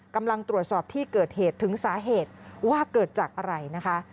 กำลังตรวจสอบที่เกิดเหตุถึงสาเหตุว่าเกิดจากอะไรนะคะ